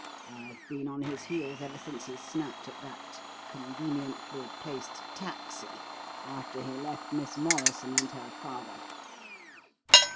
I've been on his heels ever since he snapped at that conveniently placed taxi after he left Miss Morrison and her father."